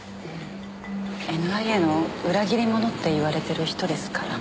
ＮＩＡの裏切り者って言われてる人ですから。